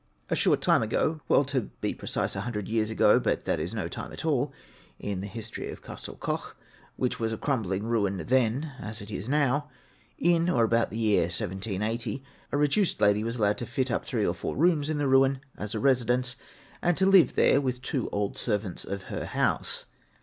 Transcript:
A short time ago well, to be precise, a hundred years ago, but that is no time at all in the history of Castell Coch, which was a crumbling ruin then as it is now in or about the year 1780, a reduced lady was allowed to fit up three or four rooms in the ruin as a residence, and to live there with two old servants of her house.